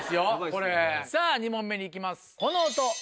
これさぁ２問目にいきます。